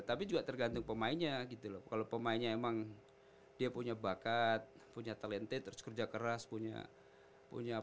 tapi juga tergantung pemainnya gitu loh kalau pemainnya emang dia punya bakat punya talented terus kerja keras punya komitmen yang luar biasa